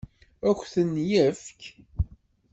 Ad k-ten-yefk?